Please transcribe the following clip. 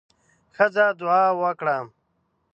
ښځه دعا وکړه.